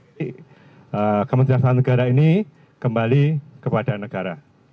jadi kementerian setelah negara ini kembali kepada negara